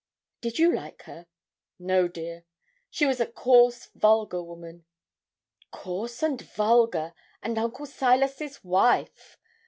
'Did you like her?' 'No, dear; she was a coarse, vulgar woman.' 'Coarse and vulgar, and Uncle Silas's wife!'